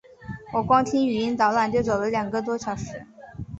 我光听语音导览就走了两个多小时